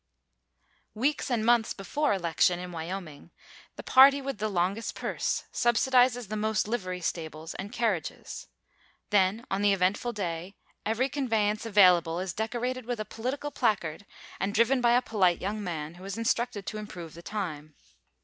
Weeks and months before election in Wyoming, the party with the longest purse subsidizes the most livery stables and carriages. Then, on the eventful day, every conveyance available is decorated with a political placard and driven by a polite young man who is instructed to improve the time.